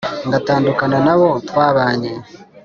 Ngatandukana nabo twabanye